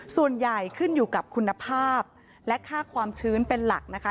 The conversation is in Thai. ส่วนใหญ่ขึ้นอยู่กับคุณภาพและค่าความชื้นเป็นหลักนะคะ